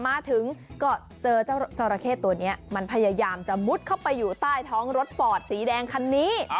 มาถึงก็เจอเจ้าจราเข้ตัวนี้มันพยายามจะมุดเข้าไปอยู่ใต้ท้องรถฟอร์ดสีแดงคันนี้